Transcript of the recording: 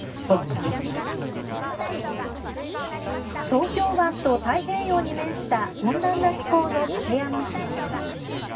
東京湾と太平洋に面した温暖な気候の館山市。